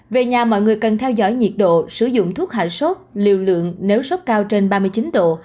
về nhà mọi người cần theo dõi nhiệt độ sử dụng thuốc hạ sốt liều lượng nếu sốc cao trên ba mươi chín độ